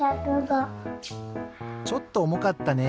ちょっとおもかったね。